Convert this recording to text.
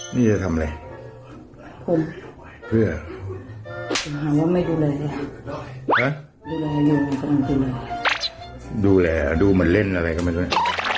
นี่จะทำอะไรคุณเพื่อถึงหาว่าไม่ดูแลเนี้ยฮะดูแลดูแลดูมันเล่นอะไรก็ไม่ดูแล